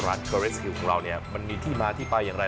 ร้านเกอร์เรสคิวของเรานี่มันมีที่มาที่ไปอย่างไร